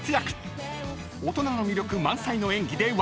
［大人の魅力満載の演技で話題沸騰中！］